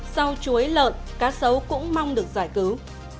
sau chuối lợn cá sấu cũng mong được giải cứu